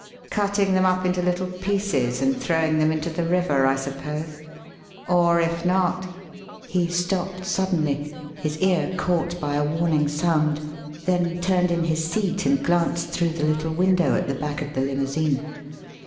Cutting them up into little pieces and throwing them into the river, I suppose, or if not " He stopped suddenly, his ear caught by a warning sound; then turned in his seat and glanced through the little window at the back of the limousine.